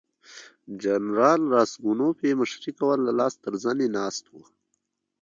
جنرال راسګونوف یې مشري کوله لاس تر زنې ناست وو.